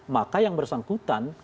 maka yang bersangkutan